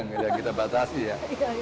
nah itu yang kita batasi ya